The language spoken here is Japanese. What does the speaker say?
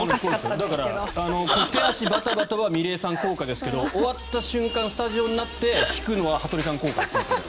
だから、手足バタバタはｍｉｌｅｔさん効果ですけど終わった瞬間、スタジオになって引くのは羽鳥さん効果ですね。